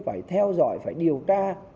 phải theo dõi phải điều tra